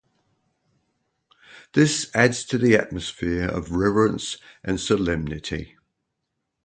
This adds to the atmosphere of reverence and solemnity.